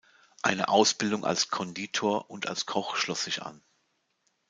Eine Ausbildung als Konditor und als Koch schloss sich an.